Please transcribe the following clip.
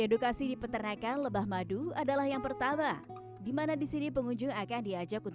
edukasi di peternakan lebah madu adalah yang pertama dimana di sini pengunjung akan diajak